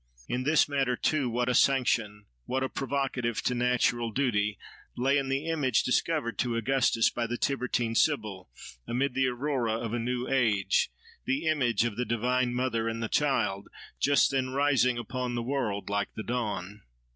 In this matter too, what a sanction, what a provocative to natural duty, lay in that image discovered to Augustus by the Tiburtine Sibyl, amid the aurora of a new age, the image of the Divine Mother and the Child, just then rising upon the world like the dawn!